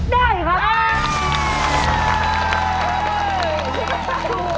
ได้ครับ